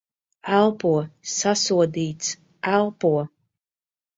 Elpo. Sasodīts. Elpo!